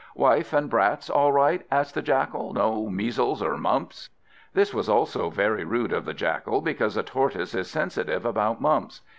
"Wife and brats all right?" asked the Jackal. "No measles or mumps?" This was also very rude of the Jackal, because a Tortoise is sensitive about mumps.